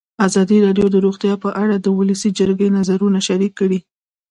ازادي راډیو د روغتیا په اړه د ولسي جرګې نظرونه شریک کړي.